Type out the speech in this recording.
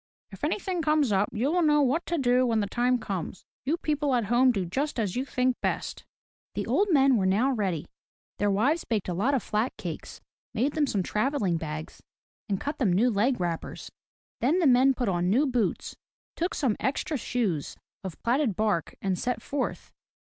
" If any thing comes up, you will know what to do when the time comes. You people at home do just as you think best." The old men were now ready. Their wives baked a lot of flat cakes, made them some travelling bags, and cut them new leg wrappers. Then the men put on new boots, took some extra shoes of platted bark, and set forth.